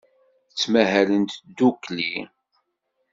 Ttmahalent ddukkli.